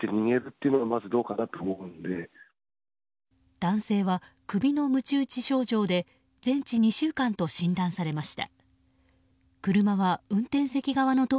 男性は首のむち打ち症状で全治２週間と診断されました。